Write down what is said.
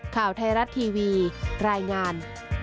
ข่าวไทยรัฐทีวีรายงาน